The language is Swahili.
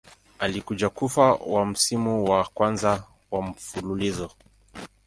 Alikuja kufa wa msimu wa kwanza wa mfululizo.